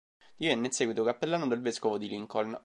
Divenne in seguito cappellano del vescovo di Lincoln.